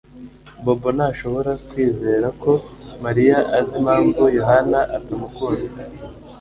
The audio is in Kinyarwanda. Bobo ntashobora kwizera ko Mariya azi impamvu Yohana atamukunda